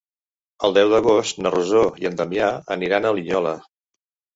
El deu d'agost na Rosó i en Damià aniran a Linyola.